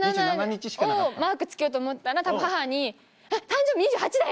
マーク付けようと思ったら母に「誕生日２８だよ！」。